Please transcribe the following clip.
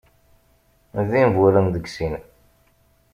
D imburen deg sin.